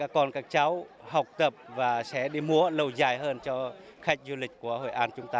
con các cháu học tập và sẽ đi mua lâu dài hơn cho khách du lịch của hội an chúng ta